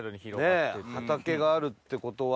畑があるってことは。